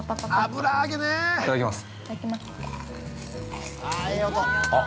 いただきます。